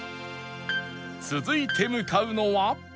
続いて向かうのは